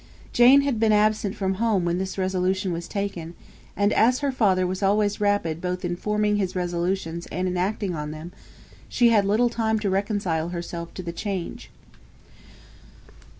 Jane had been absent from home when this resolution was taken; and, as her father was always rapid both in forming his resolutions and in acting on them, she had little time to reconcile herself to the change.